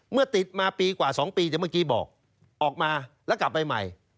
เมื่อติดมาปีกว่า๒ปีแต่เมื่อกี้บอกออกมาแล้วกลับไปใหม่